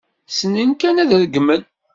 Ssnen kan ad regmen.